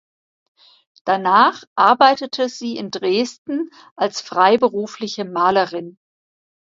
Danach arbeitete sie in Dresden als freiberufliche Malerin.